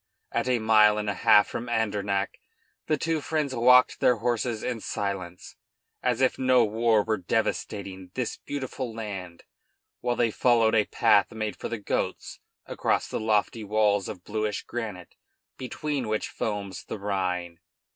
At a mile and a half from Andernach the two friends walked their horses in silence, as if no war were devastating this beautiful land, while they followed a path made for the goats across the lofty walls of bluish granite between which foams the Rhine.